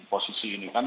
posisi ini kan